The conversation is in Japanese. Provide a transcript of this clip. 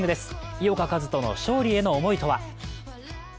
井岡一翔の勝利への思いとは。